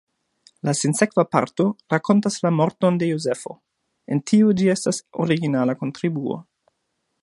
La sinsekva parto rakontas la morton de Jozefo: en tio ĝi estas originala kontribuo.